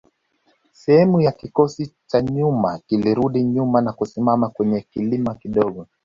Sehemu ya kikosi cha nyuma kilirudi nyuma na kusimama kwenye kilima kidogo